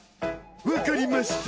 わかりました。